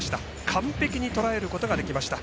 完璧にとらえることができました。